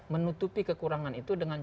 menutupi kekurangan itu dengan